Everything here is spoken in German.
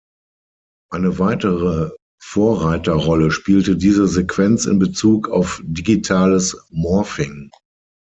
Eine weitere Vorreiterrolle spielte diese Sequenz in Bezug auf digitales Morphing.